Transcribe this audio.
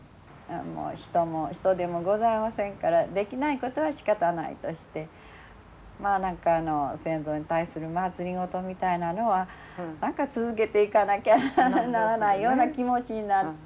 人手もございませんからできないことはしかたないとしてまあ先祖に対する政みたいなのは何か続けていかなきゃならないような気持ちになって。